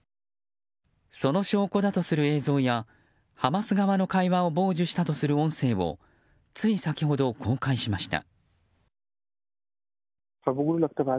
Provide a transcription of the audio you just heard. その証拠だとする映像やハマス側の会話を傍受したとされる音声をつい先ほど、公開しました。